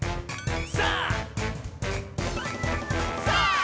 さあ！